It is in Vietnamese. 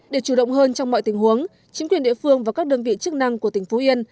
để chủ động hơn trong mọi tình huống chính quyền địa phương và các đơn vị chức năng của tỉnh phú yên